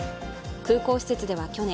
空港施設では去年